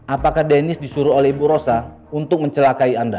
apakah dennis disuruh oleh ibu rosa untuk mencelakai anda